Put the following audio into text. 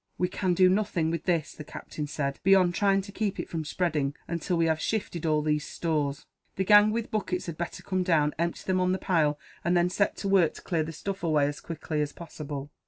"We can do nothing with this," the captain said, "beyond trying to keep it from spreading, until we have shifted all these stores. The gang with buckets had better come down, empty them on the pile, and then set to work to clear the stuff away, as quickly as possible."